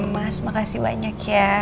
mas makasih banyak ya